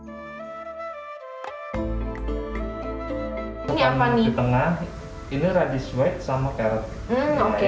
di tengah ini radish white sama carrot